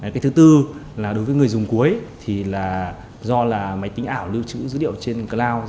cái thứ tư là đối với người dùng cuối thì là do là máy tính ảo lưu trữ dữ liệu trên cloud